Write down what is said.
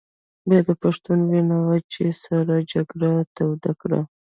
بیا د پښتون وینه وه چې سړه جګړه یې توده کړه.